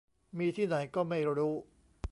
มีที่ไหนก็ไม่รู้